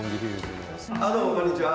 どうもこんにちは。